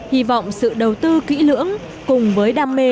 hy vọng sự đầu tư kỹ lưỡng cùng với đam mê